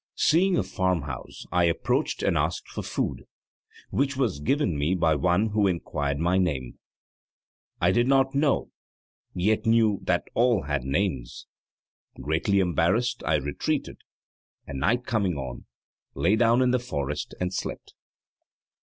Seeing a farmhouse, I approached and asked for food, which was given me by one who inquired my name. I did not know, yet knew that all had names. Greatly embarrassed, I retreated, and night coming on, lay down in the forest and slept.